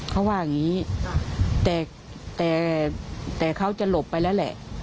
เขาว่าอย่างนี้แต่เขาจะหลบไปแล้วแหละ